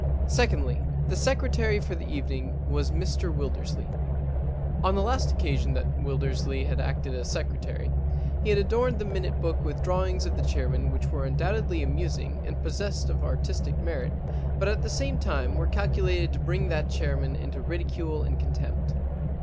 Secondly, the secretary for the evening was Mr Wildersley. On the last occasion that Wildersley had acted as secretary he had adorned the minute book with drawings of the chairman which were undoubtedly amusing and possessed of artistic merit, but at the same time were calculated to bring that chairman into ridicule and contempt.